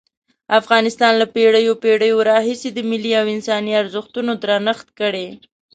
افغانستان له پېړیو پېړیو راهیسې د ملي او انساني ارزښتونو درنښت کړی.